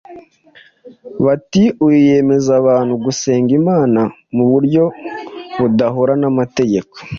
bati: “Uyu yemeza abantu gusenga Imana mu buryo budahura n’amategeko.”